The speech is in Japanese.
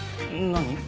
何？